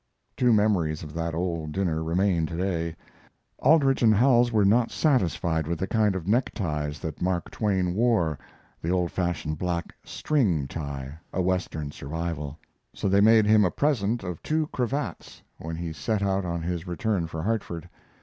Two memories of that old dinner remain to day. Aldrich and Howells were not satisfied with the kind of neckties that Mark Twain wore (the old fashioned black "string" tie, a Western survival), so they made him a present of two cravats when he set out on his return for Hartford.